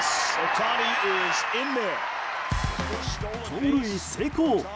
盗塁成功！